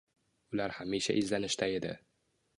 Ular hamisha izlanishda edi